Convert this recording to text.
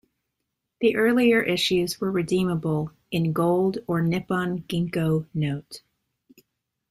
The earlier issues were redeemable "in Gold or Nippon Ginko Note".